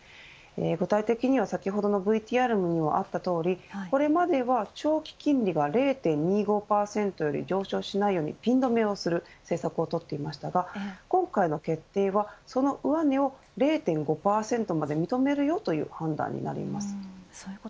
具体的には先ほどのＶＴＲにもあったとおりこれまでは長期金利が０．２５％より上昇しないようにピン留めをする政策をとっていましたが今回の決定はその上値を０．５％まで認めるよという判断になります。